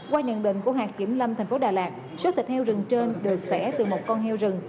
qua nhận định của hạt kiểm lâm thành phố đà lạt số thịt heo rừng trên được xẻ từ một con heo rừng